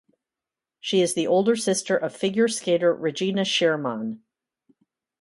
She is the older sister of figure skater Regina Schermann.